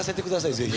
ぜひ。